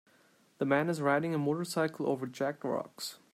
The man is riding a motorcycle over jagged rocks.